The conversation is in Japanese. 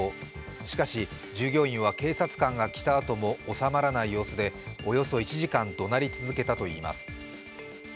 しかし、従業員は警察官が来たあとも収まらない様子でおよそ１時間、どなり続けたといいます。